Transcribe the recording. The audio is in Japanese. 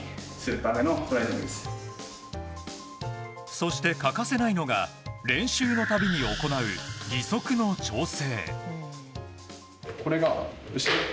そして欠かせないのが練習の度に行う義足の調整。